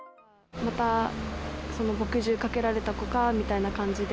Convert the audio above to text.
また墨汁かけられた子かみたいな感じで。